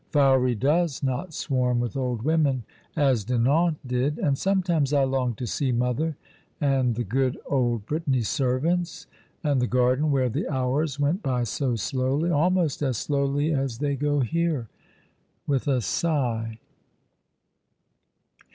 Fowey does not swarm with old women as Dinan did. And sometimes I long to see mother, and the good old Brittany servants, and the garden where the hours went by so slowly— almost as slowly as they go here "— with a sigh.